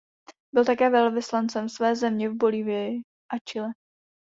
Byl také velvyslancem své země v Bolívii a Chile.